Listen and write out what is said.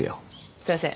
すいません